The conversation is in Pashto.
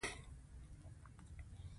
د پاکستان افغاني باغي خلک ورسک ډېم ته ولوېدل.